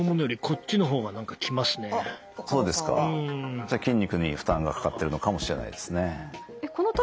じゃ筋肉に負担がかかってるのかもしれないですね。